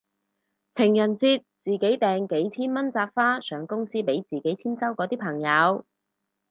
情人節自己訂幾千蚊紮花上公司俾自己簽收嗰啲朋友